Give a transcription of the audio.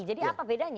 jadi apa bedanya